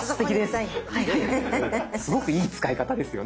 すごくいい使い方ですよね。